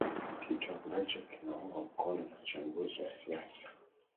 kitu ambacho kinaungwa mkono na wachambuzi wa siasa